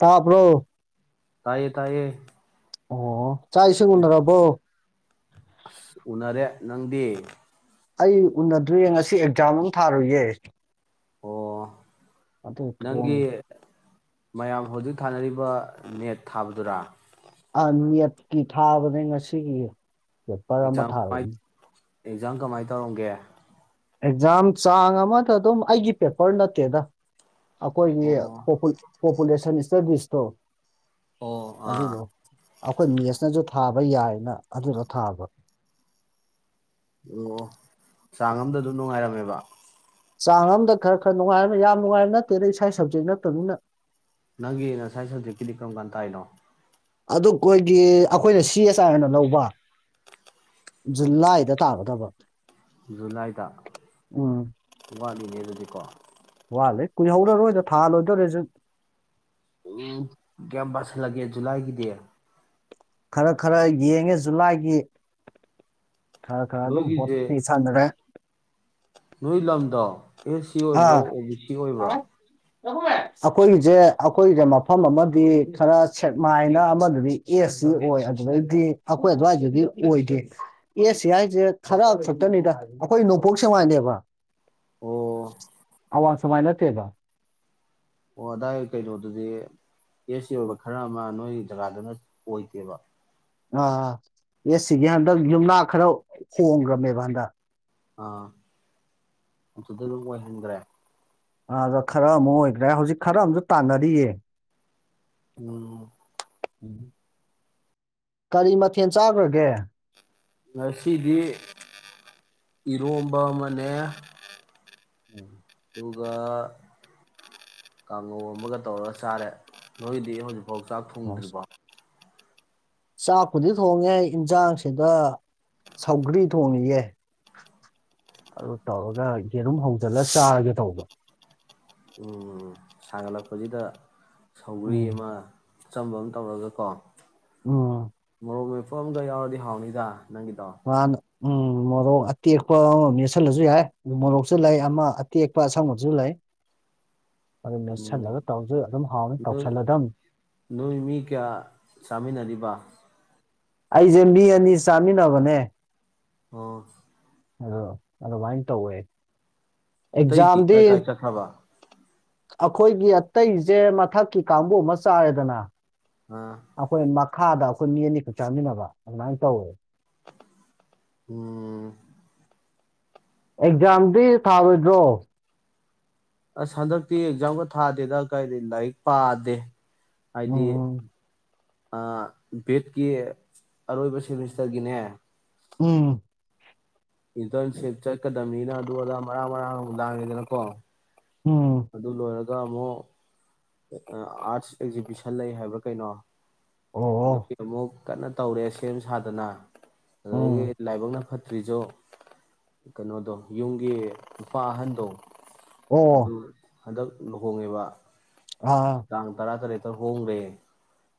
ꯇꯥꯕ꯭ꯔꯣ ꯇꯥꯌꯦ ꯇꯥꯌꯦ ꯑꯣ ꯆꯥꯛ ꯏꯁꯤꯡ ꯎꯅꯔꯕꯣ ꯑꯁ ꯎꯅꯔꯦ ꯅꯪꯗꯤ ꯑꯩ ꯎꯅꯗ꯭ꯔꯤꯌꯦ ꯉꯁꯤ ꯑꯦꯛꯖꯥꯝ ꯑꯃ ꯊꯥꯔꯨꯏꯌꯦ ꯑꯣ ꯅꯪꯒꯤ [unintelligible] ꯃꯌꯥꯝ ꯍꯧꯖꯤꯛ ꯊꯥꯅꯔꯤꯕ ꯅꯦꯠ ꯊꯥꯕꯗꯨꯔꯥ ꯑ ꯅꯦꯠꯀꯤ ꯊꯥꯕꯅꯦ ꯉꯁꯤꯒꯤ ꯄꯦꯄꯔ ꯑꯃ ꯑꯦꯛꯖꯥꯝ ꯀꯃꯥꯏ ꯊꯥꯔꯨꯕꯅꯦ ꯑꯦꯛꯖꯥꯝ ꯀꯃꯥꯏ ꯇꯧꯔꯝꯒꯦ ꯑꯦꯛꯖꯥꯝ ꯆꯥꯡ ꯑꯃꯗ ꯑꯗꯨꯝ ꯑꯩꯒꯤ ꯄꯦꯄꯔ ꯅꯠꯇꯦꯗ ꯑꯩꯈꯣꯏꯒꯤ ꯄꯣꯄꯨ ꯄꯣꯄꯨꯂꯦꯁꯟ ꯇꯥꯗꯤꯁꯇꯣ ꯑꯣ ꯑꯥ ꯑꯩꯈꯣꯏ ꯃꯦꯁꯅꯁꯨ ꯊꯥꯕ ꯌꯥꯏꯅ ꯑꯗꯨꯗ ꯊꯥꯕ ꯑꯣ ꯆꯥꯡ ꯑꯝꯗ ꯑꯗꯨ ꯅꯨꯡꯉꯥꯏꯔꯝꯃꯦꯕ ꯆꯥꯡ ꯑꯝꯗ ꯈꯔ ꯈꯔ ꯅꯨꯡꯉꯥꯏꯔꯝꯃꯦ ꯌꯥꯝ ꯅꯨꯡꯉꯥꯏꯕ ꯅꯠꯇꯦ ꯏꯁꯥꯏ ꯁꯕꯖꯦꯛ ꯅꯠꯇꯃꯤꯅ ꯅꯪꯒꯤ ꯅꯥꯁꯥꯏ ꯁꯕꯖꯦꯛꯀꯤꯗꯤ ꯀꯔꯝ ꯀꯥꯟ ꯇꯥꯏꯅꯣ ꯑꯗꯨ ꯑꯩꯈꯣꯏꯒꯤ ꯑꯩꯈꯣꯏꯅ ꯁꯤ ꯑꯦꯁ ꯑꯔꯅ ꯂꯧꯕ ꯖꯨꯂꯥꯏꯗ ꯇꯥꯒꯗꯕ ꯖꯨꯂꯥꯏꯗ ꯋꯥꯠꯂꯤ ꯅꯦ ꯑꯗꯨꯗꯤꯀꯣ ꯋꯥꯠꯂꯦ ꯀꯨꯏꯍꯧꯔꯔꯣꯏꯗ ꯊꯥ ꯂꯣꯏꯗꯧꯔꯦꯁꯨ ꯎꯝ ꯀꯌꯥꯝ ꯄꯥꯁꯜꯂꯒꯦ ꯖꯨꯂꯥꯏꯒꯤ ꯗꯤ ꯈꯔ ꯈꯔ ꯌꯦꯡꯉꯦ ꯖꯨꯂꯥꯏꯒꯤ ꯈꯔ ꯈꯔ ꯑꯗꯨꯝ ꯅꯣꯏꯒꯤꯁꯦ ꯍꯣꯠꯄꯤ ꯁꯥꯟꯅꯔꯦ ꯅꯣꯏ ꯂꯝꯗꯣ ꯑꯦꯁ ꯁꯤ ꯑꯣꯏꯕ꯭ꯔꯣ ꯑꯥ ꯑꯣ ꯕꯤ ꯁꯤ ꯑꯣꯏꯕ꯭ꯔꯣ ꯑꯩꯈꯣꯏꯒꯤꯁꯦ ꯑꯩꯈꯣꯏꯁꯦ ꯃꯐꯝ ꯑꯃꯗꯤ ꯈꯔ ꯁꯦꯛꯃꯥꯏꯅ ꯑꯃꯗꯗꯤ ꯑꯦꯁ ꯁꯤ ꯑꯣꯏ ꯑꯗꯨꯗꯒꯤꯗꯤ ꯑꯩꯈꯣꯏ ꯑꯗꯨꯋꯥꯏꯗꯗꯤ ꯑꯣꯏꯗꯦ ꯑꯦꯁ ꯁꯤ ꯍꯥꯏꯁꯦ ꯈꯔ ꯈꯛꯇꯅꯤꯗ ꯑꯩꯈꯣꯏ ꯅꯣꯡꯄꯣꯛ ꯁꯦꯡꯃꯥꯏꯅꯦꯕ ꯑꯣ ꯑꯋꯥꯡ ꯁꯦꯛꯃꯥꯏ ꯅꯠꯇꯦꯕ ꯑꯣ ꯑꯗꯥꯏ ꯀꯩꯅꯣꯗꯨꯗꯤ ꯑꯦꯁ ꯁꯤ ꯑꯣꯏꯕ ꯈꯔ ꯑꯃ ꯅꯣꯏꯒꯤ ꯖꯒꯥꯗꯅ ꯑꯣꯏꯗꯦꯕ ꯑꯥ ꯑꯦ ꯁꯤꯒꯤ ꯍꯟꯗꯛ ꯌꯨꯝꯅꯥꯛ ꯈꯔ ꯍꯣꯡꯈ꯭ꯔꯃꯦꯕ ꯍꯟꯗꯛ ꯑꯥ ꯑꯗꯨꯗ ꯑꯗꯨꯝ ꯑꯣꯏꯍꯟꯒꯔꯦ ꯑ ꯑꯗ ꯈꯔ ꯑꯃ ꯑꯣꯏꯒꯔꯦ ꯍꯧꯖꯤꯛ ꯈꯔ ꯑꯝꯁꯨ ꯇꯥꯟꯅꯔꯤꯌꯦ ꯎꯝ ꯀꯔꯤ ꯃꯊꯦꯜ ꯆꯥꯈ꯭ꯔꯒꯦ ꯉꯁꯤꯗꯤ ꯏꯔꯣꯝꯕ ꯑꯃꯅꯦ [inaudible] ꯑꯗꯨꯒ ꯀꯥꯡꯉꯧ ꯑꯃꯒ ꯇꯧꯔ ꯆꯥꯔꯦ ꯅꯣꯏꯗꯤ ꯍꯧꯖꯤꯛ ꯐꯧ ꯆꯥꯛ ꯊꯣꯡꯗ꯭ꯔꯤꯕꯣ ꯆꯥꯛꯄꯨꯗꯤ ꯊꯣꯡꯉꯦ ꯏꯟꯁꯥꯡꯁꯤꯗ ꯁꯧꯒ꯭ꯔꯤ ꯊꯣꯡꯉꯤꯌꯦꯦ ꯑꯗꯨ ꯇꯧꯔꯒ ꯌꯦꯔꯨꯝ ꯍꯧꯖꯤꯜꯂꯒ ꯆꯥꯔꯒꯦ ꯇꯧꯕ ꯎꯝ ꯁꯥꯒꯠꯂꯛꯄꯁꯤꯗ ꯁꯧꯒꯔꯤ ꯎꯝ ꯑꯃ ꯆꯝꯕ ꯑꯃ ꯇꯧꯔꯒ ꯀꯣ ꯎꯝ ꯐꯣꯝꯗꯣ ꯌꯥꯎꯔꯗꯤ ꯍꯥꯎꯅꯤꯗ ꯅꯪꯒꯤꯇꯥ ꯃꯥꯅ ꯎꯝ ꯃꯣꯔꯣꯛ ꯑꯇꯦꯛꯄ ꯑꯃꯝ ꯅꯦꯠꯁꯜꯂꯁꯨ ꯌꯥꯏ ꯃꯣꯔꯣꯛꯁꯨ ꯂꯩ ꯑꯃ ꯑꯇꯦꯛꯄ ꯑꯁꯪꯕꯗꯨꯁꯨ ꯂꯩ ꯑꯗꯨ ꯎꯝ ꯃꯦꯠꯁꯤꯜꯂꯒ ꯇꯧꯔꯁꯨ ꯑꯗꯨꯝ ꯍꯥꯎꯅꯤ ꯅꯣꯏ ꯇꯧꯁꯜꯂꯗꯝꯅꯤ ꯅꯣꯏ ꯃꯤ ꯀꯌꯥ ꯆꯥꯃꯤꯟꯅꯔꯤꯕ ꯑꯩꯁꯦ ꯃꯤ ꯑꯅꯤ ꯆꯥꯃꯤꯟꯅꯕꯅꯦ ꯑꯣ ꯑꯗꯨ ꯑꯗꯨꯃꯥꯏꯅ ꯇꯧꯋꯦ ꯑꯇꯩꯗꯤ ꯀꯥꯏ ꯀꯥꯏ ꯆꯠꯈ꯭ꯔꯕ ꯑꯈꯣꯏꯒꯤ ꯑꯇꯩꯁꯦ ꯃꯊꯛꯀꯤ ꯀꯥꯡꯕꯨ ꯑꯃ ꯆꯥꯔꯦꯗꯅ ꯑꯥ ꯑꯈꯣꯏ ꯃꯥ ꯥꯈꯥꯗ ꯑꯩꯈꯣꯏ ꯃꯤ ꯑꯅꯤꯈꯛ ꯆꯥꯃꯤꯟꯅꯕ ꯑꯗꯨꯃꯥꯏꯅ ꯇꯧꯋꯦ ꯎꯝ ꯑꯦꯛꯖꯥꯝꯗꯤ ꯊꯥꯔꯣꯏꯗ꯭ꯔꯣ ꯑꯁ ꯍꯟꯗꯛꯇꯤ ꯑꯦꯛꯖꯥꯝꯒ ꯊꯥꯗꯦꯗ ꯀꯔꯤ ꯂꯥꯏꯔꯤꯛ ꯄꯥꯗꯦ ꯎꯝ ꯚꯦꯠꯀꯤ ꯑꯔꯣꯏꯕ ꯁꯦꯃꯤꯁꯇꯔꯒꯤꯅꯦ ꯎꯝ ꯏꯗ ꯁꯦ ꯆ ꯅꯤꯅ ꯑꯗꯨ ꯑꯗꯥ ꯃꯔꯥꯡ ꯃꯔꯥꯡ ꯑꯃꯨ ꯂꯥꯡꯉꯦꯗꯅꯀꯣ ꯎꯝ ꯑꯗꯨ ꯑꯗꯨ ꯂꯣ ꯇꯥꯃꯣ ꯑꯥꯔꯠꯁ ꯑꯦꯛꯖꯤꯕꯤꯁꯟ ꯂꯩ ꯍꯥꯏꯕ꯭ꯔꯥ ꯀꯩꯅꯣ ꯍꯗꯣ ꯑꯣ ꯀꯔꯃꯣ ꯀꯟꯅ ꯇꯧꯔꯦ ꯁꯦꯝ ꯁꯥꯗꯅ ꯑꯗꯨꯗꯒꯤ ꯎꯝ ꯂꯥꯏꯕꯨꯡꯅ ꯐ ꯗ꯭ꯔꯤꯖꯨ ꯀꯩꯅꯣꯗꯣ ꯌꯨꯝꯒꯤ ꯅꯨꯨꯄꯥ ꯑꯍꯟꯗꯣ ꯑꯗꯨ ꯑꯣ ꯍꯟꯗꯛ ꯂꯨꯍꯣꯡꯉꯤꯕ ꯑꯥ ꯇꯥꯡ ꯇꯔꯥꯇꯔꯦꯠ ꯍꯣꯡꯒ꯭ꯔꯦ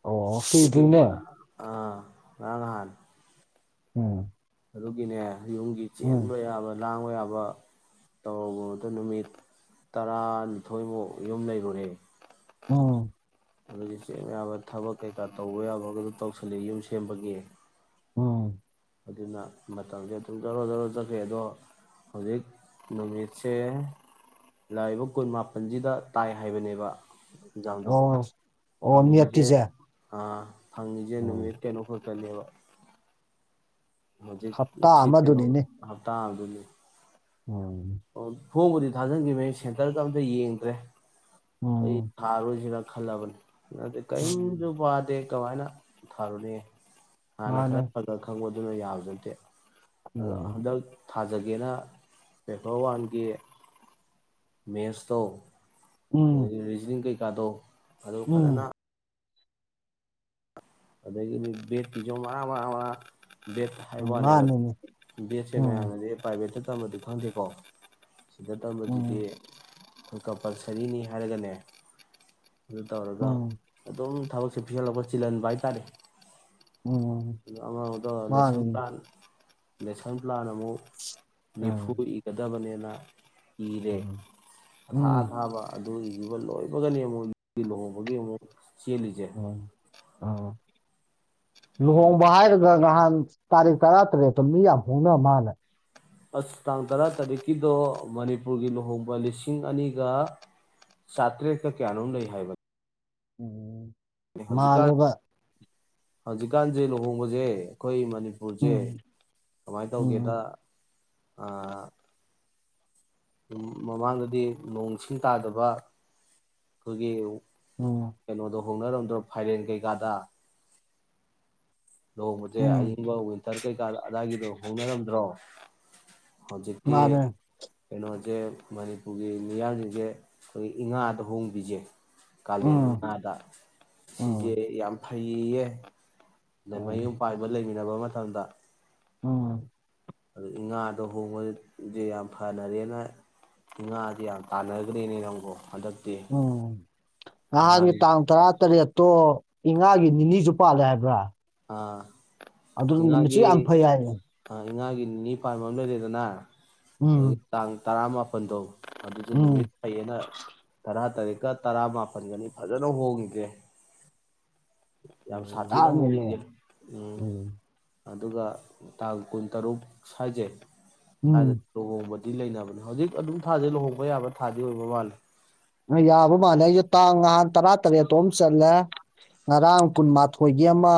ꯑꯣ ꯇꯒꯤ ꯀꯨꯏꯗ꯭ꯔꯤꯅꯦ ꯃꯥ ꯑ ꯉꯥꯔꯥꯡ - ꯉꯍꯥꯟ ꯎꯝ꯫ ꯑꯗꯨꯒꯤꯅꯦ ꯌꯨꯝꯒꯤ ꯆꯦꯟꯕ ꯎꯝ ꯌꯥꯕ ꯂꯥꯡꯕ ꯌꯥꯕ ꯇꯧꯔꯕ ꯅꯨꯃꯤꯠ ꯇꯔꯥꯅꯤꯊꯣꯏꯃꯨꯛ ꯌꯨꯝ ꯂꯩꯔꯨꯔꯦ ꯎꯝ꯫ ꯑꯗꯨꯗꯤ ꯆꯦꯡ ꯌꯥꯕ ꯊꯕꯛ ꯀꯩꯀꯥ ꯇꯧꯕ ꯌꯥꯕꯒ ꯑꯗꯨ ꯇꯧꯁꯜꯂꯤ ꯌꯨꯝ ꯁꯦꯝꯕꯒꯤ ꯑꯣ ꯑꯗꯨꯅ ꯃꯇꯝꯖꯦ ꯑꯗꯨꯝ ꯖꯣꯔꯣ - ꯖꯣꯔꯣ ꯆꯠꯈꯤ ꯑꯗꯣ ꯍꯧꯖꯤꯛ ꯅꯨꯃꯤꯠꯁꯦ ꯂꯥꯛꯏꯕ ꯀꯨꯟ ꯃꯥꯄꯜꯁꯤꯗ ꯇꯥꯏ ꯍꯥꯏꯕꯅꯦꯕ ꯑꯣ ꯑꯣ ꯅꯦꯠꯀꯤꯁꯦ [unintelligible] ꯑꯥ ꯐꯪꯉꯤꯖꯦ ꯎꯝ ꯅꯨꯃꯤꯠ ꯀꯩꯅꯣ ꯈꯛ [unintelligible] ꯍꯧꯖꯤꯛ ꯍꯞꯇꯥ ꯁꯤ ꯑꯃꯗꯨꯅꯤꯅꯦ ꯍꯞꯇꯥ [unintelligible] ꯎꯝ꯫ ꯑꯣ ꯐꯣꯝꯕꯨꯗꯤ ꯊꯥꯖꯤꯟꯈꯤꯕꯅꯦ ꯁꯦꯟꯇꯔꯗ ꯑꯝꯇ ꯌꯦꯡꯗ꯭ꯔꯦ꯫ ꯑꯩ ꯎꯝ ꯊꯥꯔ ꯔꯣꯏꯖꯤꯔꯥ ꯈꯜꯂꯕꯅꯦ ꯍꯟꯗꯛꯇꯤ ꯀꯩꯝꯖꯨ ꯎꯝ ꯄꯥꯗꯦ ꯀꯃꯥꯏꯅ ꯊꯥꯔꯨꯅꯤ? ꯍꯥꯟꯅ ꯈꯔ ꯃꯥꯅꯦ ꯐꯖ ꯈꯪꯕ ꯑꯗꯨꯅ ꯌꯥꯕꯗꯤ ꯅꯠꯇꯦ ꯑꯗ ꯎꯝ ꯍꯟꯗꯛ ꯊꯥꯖꯒꯦꯅ ꯄꯦꯄꯔ ꯋꯥꯟꯒꯤ ꯃꯦꯠꯁꯇꯣ ꯑꯗ ꯎꯝ ꯒꯤ ꯔꯤꯖꯅꯤꯡ ꯀꯩ ꯀꯥꯗꯣ ꯑꯗꯨ ꯐꯖꯅ ꯎꯝ ꯑꯗꯒꯤꯗꯤ ꯕꯦꯠꯀꯤꯖꯨ ꯃꯔꯥꯡ ꯃꯔꯥꯡ ꯃꯔꯥꯡ ꯕꯦꯗ ꯍꯥꯏꯕ ꯎꯝ ꯋꯥꯅꯦꯕ ꯃꯥꯅꯤꯅꯦ ꯕꯦꯠꯁꯦ ꯎꯝ ꯃꯌꯥꯝꯅꯗꯤ ꯄ꯭ꯔꯥꯏꯚꯦꯠꯇ [unintelligible] ꯈꯪꯗꯦꯀꯣ ꯁꯤꯗ ꯇꯝꯕꯁꯤꯗꯤ ꯎꯝ ꯑꯩꯈꯣꯏ ꯀꯝꯄꯜꯁꯔꯤꯅꯤ ꯍꯥꯏꯔꯒꯅꯦ ꯑꯗꯨ ꯇꯧꯔꯒ ꯎꯝ ꯑꯗꯨꯝ ꯊꯕꯛꯁꯤ ꯄꯤꯍꯜꯂꯛꯄ ꯆꯤꯜꯍꯟꯕ [unintelligible] ꯎꯝ ꯑꯉꯥꯡꯗ ꯂꯦꯁꯟ ꯃꯥꯅꯤꯅꯦ ꯄꯥꯟ ꯂꯦꯁꯟ ꯄ꯭ꯂꯥꯅ ꯃꯨꯛ ꯅꯤꯐꯨ ꯎꯝ ꯏꯒꯗꯕꯅꯦꯅ ꯅ ꯏꯤꯔꯦ ꯎꯝ ꯑꯊꯥ ꯎꯝ ꯑꯊꯥꯕ ꯑꯗꯨ ꯏꯕꯥ ꯂꯣꯏꯕꯒꯅꯤ ꯑꯃꯨꯛ ꯂꯨꯍꯣꯡꯕꯒꯤ ꯑꯃꯨꯛ ꯆꯦꯜꯂꯤꯖꯦ ꯑ ꯂꯨꯍꯣꯡꯕ ꯍꯥꯏꯔ ꯂ ꯅꯍꯥꯟ ꯇꯥꯛ ꯇꯔꯥ ꯇꯔꯨꯛꯇ ꯃꯤ ꯌꯥꯝ ꯍꯣꯡꯅ ꯃꯥꯜꯂꯦ ꯑꯁ ꯇꯥꯡ ꯇꯔꯥꯇꯔꯦꯠꯀꯤꯗꯣ ꯃꯅꯤꯄꯨꯔꯒꯤ ꯂꯨꯍꯣꯡꯕ ꯂꯤꯁꯤꯡ ꯑꯅꯤꯒ ꯆꯥꯇ꯭ꯔꯦꯠꯀ ꯀꯌꯥꯅꯣꯝ ꯂꯩ ꯍꯥꯏꯕ ꯎꯝ ꯃꯥꯜꯂꯦꯕ ꯍꯧꯖꯤꯛꯀꯥꯟꯁꯦ ꯂꯨꯍꯣꯡꯕꯁꯦ ꯑꯩꯈꯣꯏ ꯃꯅꯤꯞ ꯃꯅꯤꯄꯨꯔꯁꯦ ꯎꯝ ꯀꯃꯥꯏꯅ ꯇꯧꯒꯦꯗ ꯎꯝ ꯑꯥ ꯃꯃꯥꯡꯗꯗꯤ ꯅꯣꯡ ꯁꯤꯡ ꯇꯥꯗꯕ ꯑꯩꯈꯣꯏꯒꯤ ꯑꯣ ꯀꯩꯅꯣꯗꯣ ꯍꯣꯡꯅꯔꯝꯗ꯭ꯔꯣ ꯐꯥꯏꯔꯦꯟ ꯀꯩꯀꯥꯗ ꯂꯨꯍꯣꯡꯕꯁꯦ ꯎꯝ ꯑꯏꯤꯡꯕ ꯋꯤꯟꯇꯔ ꯀꯩꯀꯥꯗ ꯑꯗꯥꯏꯒꯤꯗꯣ ꯍꯣꯡꯅꯔꯝꯗ꯭ꯔꯣ ꯍꯧꯖꯤꯛꯇꯤ ꯃꯥꯅꯦ ꯀꯩꯅꯣ ꯖꯦ ꯃꯅꯤꯄꯨꯔꯒꯤ ꯃꯤꯌꯥꯝꯁꯤꯡꯁꯦ ꯑꯩꯈꯣꯏꯒꯤ ꯏꯉꯥꯗ ꯍꯣꯡꯕꯤꯖꯦ ꯀꯥꯂꯦꯟ ꯎꯝ ꯏꯉꯥꯗ ꯁꯤꯁꯦ ꯎꯝ ꯌꯥꯝ ꯐꯩ ꯐꯩꯌꯦꯌꯦ ꯗꯦꯟ ꯃꯌꯨꯝ ꯎꯝ ꯄꯥꯏꯕ ꯂꯩꯃꯤꯟꯅꯕ ꯑꯃ ꯊꯪꯗ ꯎꯝ ꯑꯗꯨꯏ ꯏꯉꯥꯗ ꯍꯣꯡꯕꯗꯤ ꯌꯥꯝ ꯐꯅꯔꯦꯅ ꯏꯉꯥꯁꯦ ꯌꯥꯝ ꯇꯥꯟꯅꯒꯔ꯭ꯦꯅꯦ ꯅꯪꯕꯨ ꯎꯝ ꯅꯍꯥꯟ ꯅꯍꯥꯟꯒꯤ ꯇꯥꯡ ꯇꯔꯥꯇꯔꯦꯠꯇꯣ ꯏꯉꯥꯒꯤ ꯅꯤꯅꯤꯁꯨ ꯄꯥꯜꯂꯦ ꯍꯥꯏꯕ꯭ꯔꯥ ꯑꯥ ꯑꯗꯨ ꯅꯨꯃꯤꯠꯁꯨ ꯌꯥꯝ ꯏꯉꯥꯒꯤ ꯐꯩ ꯍꯥꯏꯕꯅꯦ ꯏꯉꯥꯒꯤ ꯅꯤꯅꯤ ꯄꯥꯟꯕ ꯑꯃ ꯂꯩꯔꯦꯗꯅ ꯑꯗꯩ ꯎꯝ ꯇꯥꯡ ꯇꯔꯥꯃꯥꯄꯟꯗꯣ ꯑꯗꯨꯁꯨ ꯅꯨꯃꯤꯠ ꯎꯝ ꯐꯩꯌꯦꯅ ꯇꯔꯥ ꯇꯥꯔꯦꯠꯀ ꯇꯔꯥꯃꯥꯄꯟꯒꯅꯤ ꯐꯖꯅ ꯍꯣꯡꯉꯦꯖꯦ ꯎꯝ ꯍꯣꯡꯉꯤꯁꯦ [unintelligible] ꯎꯝ ꯑꯗꯨꯒ ꯇꯥꯡ ꯀꯨꯟꯇꯔꯨꯛ ꯁ꯭ꯋꯥꯖꯩ ꯁꯋꯥꯏꯗ ꯎꯝ ꯂꯨꯍꯣꯡꯕ ꯂꯩꯅꯕꯅꯦ ꯍꯧꯖꯤꯛ ꯑꯗꯨꯝ ꯊꯥꯁꯦ ꯂꯨꯍꯣꯡꯕ ꯌꯥꯕ ꯊꯥꯗꯤ ꯑꯣꯏꯕ ꯃꯥꯂꯦ ꯑ ꯌꯥꯕ ꯃꯥꯜꯂꯦ ꯑꯩꯖꯨ ꯉꯥꯍꯥꯟ ꯇꯔꯥ ꯇꯔꯦꯠ ꯇꯣꯝ ꯆꯠꯂꯦ ꯉꯔꯥꯡ ꯀꯨꯟꯃꯥꯊꯣꯏꯒꯤ ꯑꯃ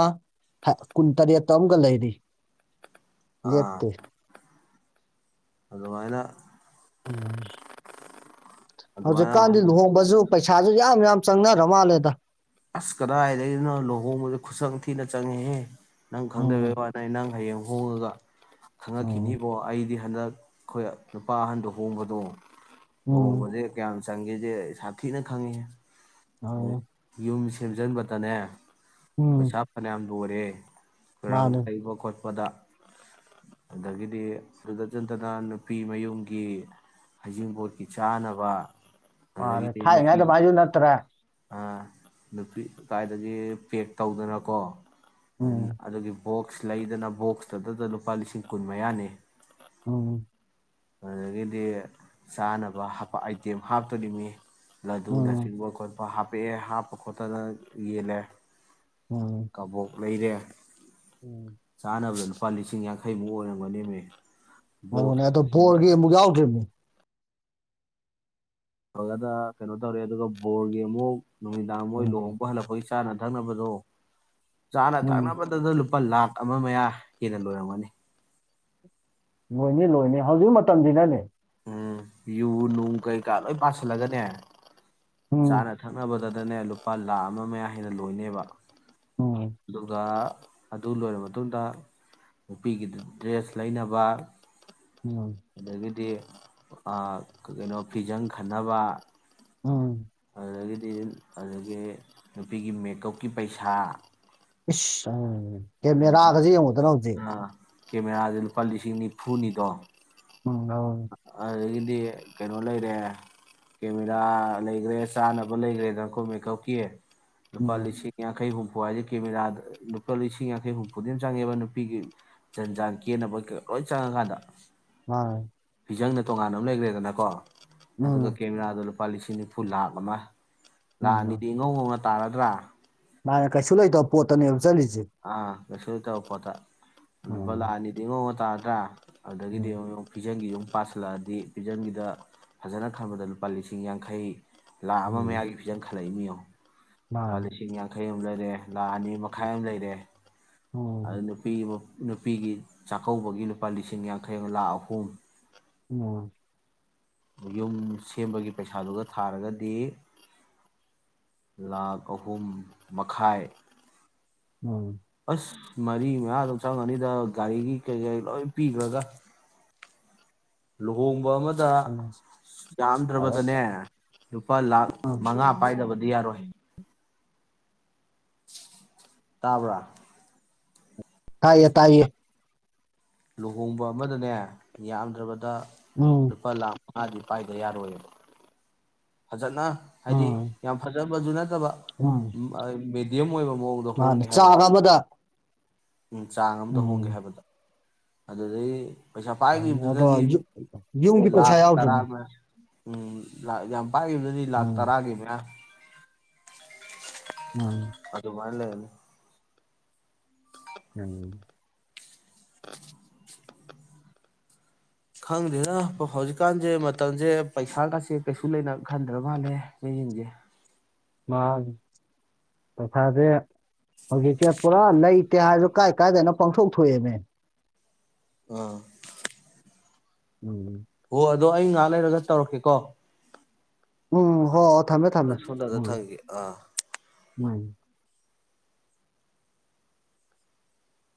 ꯀꯨꯟꯇꯔꯦꯠꯇ ꯑꯃꯒ ꯂꯩꯔꯤ ꯑꯥ ꯂꯦꯞꯇꯦ ꯑꯗꯨꯃꯥꯏꯅ ꯎꯝ ꯍꯧꯖꯤꯛꯀꯥꯟꯗꯤ ꯑꯗꯨꯃꯥꯏꯅ ꯂꯨꯍꯣꯡꯕꯁꯨ ꯄꯩꯁꯥ ꯄꯩꯁꯥꯁꯨ ꯌꯥꯝ ꯌꯥꯝ ꯆꯪꯅꯔ ꯃꯥꯜꯂꯦꯗ ꯑꯁ ꯀꯗꯥꯏꯗꯒꯤꯅꯣ ꯂꯨꯍꯣꯡꯕꯗ ꯈꯨꯆꯪ ꯊꯤꯅ ꯆꯪꯉꯦꯍꯦ ꯅꯪ ꯈꯪꯗꯕ ꯎꯝ ꯋꯥ ꯅꯦ ꯅꯪ ꯍꯌꯦꯡ ꯍꯣꯡꯉꯒ ꯎꯝ ꯈꯪꯉꯛꯈꯤꯅꯤꯕꯣ ꯑꯩꯗꯤ ꯍꯟꯗꯛ ꯑꯩꯈꯣꯏ ꯅꯨꯄꯥ ꯑꯍꯟꯗꯣ ꯍꯣꯡꯕꯗꯣ ꯎꯝ ꯂꯣꯍꯣꯡꯕꯥꯖꯦ ꯀꯌꯥꯝ ꯆꯪꯒꯦꯁꯦ ꯁꯥꯊꯤꯅ ꯈꯪꯉꯦꯍꯦ ꯑꯎ ꯌꯨꯝ ꯁꯦꯝꯖꯤꯟꯕꯗꯅꯦ ꯎꯝ ꯄꯩꯁꯥ ꯐꯅꯌꯥꯝ ꯂꯣꯏꯔꯦ ꯔꯪ ꯃꯥꯅꯦ ꯇꯩꯕ ꯀꯣꯠ ꯄꯗ ꯑꯗꯒꯤꯗꯤ ꯑꯗꯨꯗ ꯅꯠꯇꯅ ꯅꯨꯄꯤ ꯃꯌꯨꯝꯒꯤ ꯍꯩꯖꯤꯡꯕꯣꯠꯀꯤ ꯆꯥꯅꯕ ꯃꯅꯦ ꯊꯥꯏꯅꯥꯉꯩ ꯗꯨꯃꯥꯏꯖꯨ ꯅꯠꯇ꯭ꯔ ꯑꯥ ꯅꯨꯄꯤ ꯀꯏꯗꯒꯤ ꯄꯦꯛ ꯇꯧꯗꯅꯀꯣ ꯎꯝ ꯑꯗꯨꯒꯤ ꯕꯣꯛꯁ ꯂꯩꯗꯅ ꯕꯣꯛꯁꯇꯗꯗ ꯂꯨꯄꯥ ꯂꯤꯁꯤꯡ ꯀꯨꯟ ꯃꯌꯥꯅꯤ ꯎꯝ ꯑꯗꯨꯗꯒꯤꯗꯤ ꯆꯥꯅꯕ ꯍꯞꯄꯥ ꯑꯥꯏꯇꯦꯝ ꯍꯥꯞꯇꯣꯔꯤꯃꯤ ꯎꯝ ꯂꯗꯨꯅꯆꯤꯡꯕ ꯈꯣꯠꯄ ꯍꯥꯞ ꯄꯦꯛꯑꯦ ꯍꯥꯞꯄ ꯈꯣꯠꯇꯅ ꯌꯦꯜꯂꯦ ꯎꯝ ꯀꯕꯣꯛ ꯂꯩꯔꯦ ꯎꯝ ꯁꯅꯕ ꯂꯨꯄꯥ ꯂꯤꯁꯤꯡ ꯌꯥꯡꯈꯩꯃꯨꯛ ꯑꯣꯏꯔꯝꯒꯅꯤꯅꯦ ꯕꫭꯏ ꯍꯣꯔꯒꯤ ꯑꯃꯨꯛ ꯌꯥꯎꯗ꯭ꯔꯤꯕꯅꯦ ꯇꯧꯔꯒꯗ ꯀꯩꯅꯣ ꯇꯧꯔꯦ ꯑꯗꯨꯒ ꯕꯣꯔꯒꯤ ꯑꯃꯨꯛ ꯅꯨꯃꯤꯗꯡ ꯃꫭꯏ ꯎꯝ ꯂꯨꯍꫭꯡꯕ ꯍꯜꯂꯛꯄꯒꯤ ꯆꯥꯅ ꯊꯛꯅꯕꯗꯣ ꯆꯥꯅ ꯎꯝ ꯊꯥꯡꯅꯥ ꯅꯥꯕꯗꯂꯨ ꯂꯨꯄꯥ ꯂꯥꯥꯛ ꯑꯃ ꯃꯌꯥ ꯍꯦꯟꯅ ꯂꯣꯏꯔꯝꯒꯅꯤ ꯂꯣꯏꯅꯤ ꯂꯣꯏꯅꯤ ꯍꯧꯖꯤꯛ ꯃꯇꯝꯁꯤꯅꯅꯦ ꯎꯝ ꯌꯨ ꯅꯨꯡ ꯀꯩꯀꯥ ꯂꯣꯏ ꯄꯥꯁꯤꯜꯂꯒꯅꯦ ꯎꯝ ꯆꯥꯅ ꯊꯃꯦꯕꯥ ꯗꯅꯦ ꯂꯨꯄꯥ ꯂꯥꯈ ꯑꯃ ꯃꯌꯥ ꯍꯦꯟꯅ ꯂꯣꯏꯅꯦꯕ ꯎꯝ ꯑꯗꯨꯒ ꯑꯗꯨ ꯂꯣꯏꯔꯕ ꯃꯇꯨꯡꯗ ꯅꯨꯄꯤꯒꯤ ꯗ꯭ꯔꯦꯁ ꯂꯩꯅꯕ ꯎꯝ ꯑꯗꯗꯒꯤꯗꯤ ꯀꯩꯅꯣ ꯐꯤꯖꯪ ꯈꯟꯅꯕ ꯎꯝ ꯑꯗꯨꯗꯒꯤꯗꯤ ꯑꯗꯨꯗꯒꯤ ꯅꯨꯄꯤꯒꯤ ꯃꯦꯀꯞꯀꯤ ꯄꯩꯁꯥ ꯏꯁ [unintelligible] ꯀꯦꯃꯦꯔꯥꯒꯁꯦ ꯌꯦꯡꯉꯨꯗꯅ ꯍꯧꯖꯤꯛ ꯑꯥ ꯀꯦꯃꯦꯔꯥꯥꯁꯦ ꯂꯨꯄꯥ ꯂꯤꯁꯤꯡ ꯅꯤꯐꯨꯅꯤꯗꯣ ꯎꯝ ꯎꯝ ꯑꯗꯥꯒꯤ ꯗꯤ ꯀꯩꯅꯣ ꯂꯩꯔꯦ ꯀꯦꯃꯦꯔꯥ ꯂꯩꯈ꯭ꯔꯦ ꯆꯥꯅꯕ ꯂꯩꯈ꯭ꯔꯦꯗ ꯑꯩꯈꯣꯏ ꯃꯦ ꯀꯞꯀꯤꯌꯦ ꯔꯨꯄꯥ ꯎꯝ ꯂꯤꯁꯤ ꯀꯌꯥ ꯀꯩ ꯍꯨꯝ ꯐꯕꯥꯏꯁꯦ ꯀꯦꯃꯦꯔꯥꯗ ꯂꯨꯄꯥ ꯂꯤꯁꯤꯡ ꯌꯥꯡꯈꯩ ꯍꯨꯝꯐꯨꯗꯤꯝ ꯆꯪꯉꯦꯕ ꯅꯨꯄꯤꯒꯤ ꯆꯟꯖꯥꯟ ꯀꯦꯟꯅꯕ ꯂꯣꯏ ꯆꯪꯉꯀꯥꯟꯗ [unintelligible] ꯐꯖꯪꯅ ꯇꯣꯉꯥꯟꯅ ꯑꯃ ꯂꯩꯈ꯭ꯔꯦꯗꯅꯀꯣ ꯑꯗꯨꯒ ꯎꯝ ꯀꯦꯃꯦꯔꯗꯥ ꯂꯨꯄꯥ ꯂꯤꯁꯤꯡ ꯂꯛ ꯑꯅꯤꯗꯤ ꯇꯥꯔꯗ꯭ꯔꯥ ꯃꯥ ꯀꯩꯁꯨ ꯂꯣꯏ ꯇ ꯄꯣꯠꯇꯅꯦ ꯆꯠꯂꯤꯁ ꯑ ꯀꯩꯁꯨ ꯂꯩꯇꯕ ꯄꫭꯠꯇ ꯂꯨꯄꯥ ꯂꯥꯛ ꯎꯝ ꯑꯅꯤꯗꯤ ꯇꯥꯗꯥ ꯑꯗꯒꯤꯗꯤ ꯎꯝ ꯑꯃꯛ ꯐꯤꯖꯟꯒꯤ ꯑꯗꯨꯨꯝ ꯄꯥꯁꯤꯜꯂꯛꯑꯗꯤ ꯄꯤꯖꯝꯕꯤꯗ ꯐꯖꯅ ꯈꯟꯕꯗ ꯂꯨꯄꯥ ꯂꯤꯁꯤꯡ ꯌꯥꯡꯈꯩ ꯂꯥ ꯑꯃ ꯃꯌꯥꯌꯥꯝꯒꯤꯖꯟ ꯈ ꯈ ꯂꯩꯅꯤ ꯑ ꯐꯂꯤꯁꯤ ꯌꯥꯈꯩ ꯑꯗꯨꯝꯖꯔꯦ ꯂꯥ ꯑꯅꯤ ꯃꯈꯥꯏ ꯑꯃ ꯂꯩꯔꯦ ꯑꯗꯨ ꯅꯨꯄꯤ ꯑꯃ ꯅꯨꯄꯤꯒꯤ ꯆꯥꯛꯀꯧꯕꯒꯤ ꯂꯨꯄꯥ ꯂꯤꯁꯤꯡ ꯌꯥꯡꯈꯩꯒ ꯂꯥꯈ ꯑꯍꯨꯝ ꯎꯝ ꯌꯨꯝ ꯁꯦꯝꯕꯒꯤ ꯄꯩꯁꯥꯗꯨꯒ ꯊꯥꯔꯒꯗꯤ ꯂꯥꯈ ꯑꯍꯨꯝ ꯃꯈꯥꯏ ꯎꯝ ꯑꯁ ꯃꯔꯤ ꯃꯉꯥꯗꯣ ꯆꯪꯉꯅꯤꯗ ꯒꯥꯔꯤꯒꯤ ꯀꯩ ꯀꯩ ꯂꯣꯏ ꯄꯤꯈ꯭ꯔꯒ ꯂꯨꯍꯣꯡꯕ ꯑꯃ ꯑꯗꯨꯗ ꯌꯥꯝꯗ꯭ꯔꯕꯗꯅꯦ ꯂꯨꯄꯥ ꯂꯥꯛꯈ ꯃꯉꯥ ꯄꯥꯏꯗꯕꯗꯤ ꯌꯥꯔꯣꯏ ꯇꯥꯕ꯭ꯔꯥ ꯊꯥꯌꯦ ꯇꯏꯌꯦ ꯂꯨꯍꯣꯡꯕ ꯑꯃꯗꯅꯦ ꯌꯥꯝꯗ꯭ꯔꯕ ꯗ ꯂꯨꯄꯥ ꯂꯥꯈ ꯃꯥꯗꯤ ꯄꯥꯏꯗ ꯌꯥꯔꯣꯏꯌꯦꯕ ꯐꯖꯅ ꯍꯥꯏꯗꯤ ꯌꯥꯝ ꯐꯖꯕ ꯖꯨꯅ [unintelligible] ꯑꯣꯏꯕ ꯃꯑꯣꯡꯗ ꯍꯣꯡꯒꯦ ꯃꯥꯅꯦ ꯍꯥꯏꯕꯗ ꯆꯥꯛ ꯑꯃꯗ ꯎꯝ ꯆꯥꯡ ꯑꯃꯝꯗ ꯍꯣꯡꯒꯦ ꯍꯥꯏꯕꯗ ꯑꯗꯨꯗꯤ ꯑꯗ ꯌ ꯌꯨꯕꯤꯀꯁ ꯂꯥꯛ ꯇꯔꯥ ꯑꯥꯎꯇꯔꯃ ꯎꯝ ꯌꯥꯝ ꯄꯥꯏꯕꯗꯨꯗꯤ ꯂꯥꯛ ꯇꯔꯥꯒꯤꯅꯦ ꯑꯗꯨ ꯑꯗꯨ ꯃꯥꯥꯏ ꯂꯩ ꯍ ꯎꯝ ꯑ ꯈꯪꯗꯦꯅ ꯍꯧꯖꯤꯛꯀꯥꯟꯁꯦ ꯃꯇꯝꯁꯦ ꯄꯩꯁꯥꯒꯁꯦ ꯀꯩꯁꯨ ꯂꯩꯅ ꯈꯟꯗ꯭ꯔ ꯃꯥꯜꯂꯦ ꯃꯌꯦꯡꯁꯦ ꯃꯥ ꯄꯩꯁꯥꯁꯦ ꯍꯧꯖꯤꯛꯁꯦ ꯄꯨꯔꯥ ꯂꯩꯇꯦ ꯍꯥꯏꯔꯁꯨ ꯀꯥꯏ ꯀꯥꯏꯗꯅꯣ ꯄꯥꯡꯊꯣꯛ ꯊꯣꯛꯑꯦꯅꯦ ꯑ ꯎꯝꯝ ꯑꯣ ꯑꯗꯣ ꯑꯩ ꯉꯥꯏꯍꯥꯛ ꯂꯩꯔꯒ ꯇꯧꯔꯛꯀꯦꯀꯣ꯫ ꯎꯝ ꯍꯣꯏ ꯍꯣꯏ ꯊꯝꯃꯦ ꯊꯝꯃꯦ ꯁꯣꯝꯗꯗ ꯎꯝ꯫ ꯊꯝꯒꯦ ꯑꯥ